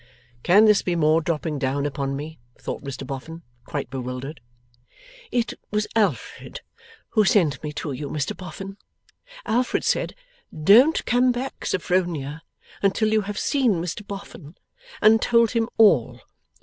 ['Can this be more dropping down upon me!' thought Mr Boffin, quite bewildered.) 'It was Alfred who sent me to you, Mr Boffin. Alfred said, "Don't come back, Sophronia, until you have seen Mr Boffin, and told him all.